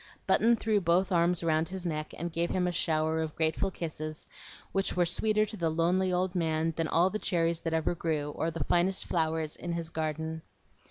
Button threw both arms about his neck and gave him a shower of grateful kisses, which were sweeter to the lonely old man than all the cherries that ever grew, or the finest flowers in his garden.